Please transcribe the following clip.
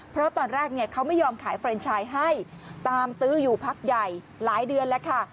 เพราะตอนแรกเนี่ยเขาไม่ยอมขายเฟรนชายให้ตามตื้ออยู่พักใหญ่หลายเดือนแล้วค่ะ